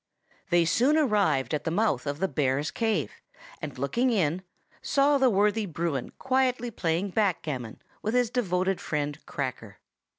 They soon arrived at the mouth of the bear's cave, and looking in, saw the worthy Bruin quietly playing backgammon with his devoted friend Cracker.